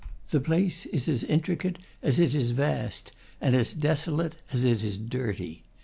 The place is as intricate as it is vast, and as desolate as it is dirty.